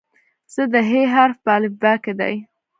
د "ح" حرف په الفبا کې دی.